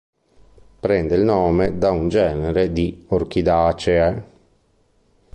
Prende il nome da un genere di Orchidaceae.